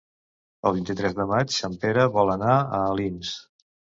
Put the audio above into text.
El vint-i-tres de maig en Pere vol anar a Alins.